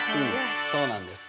そうなんです。